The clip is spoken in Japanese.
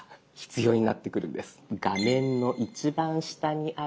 画面の一番下にある。